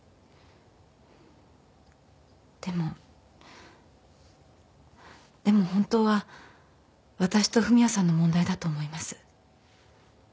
でもでも本当はわたしと文也さんの問題だと思います。